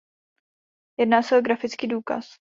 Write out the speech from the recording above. Jedná se o grafický důkaz.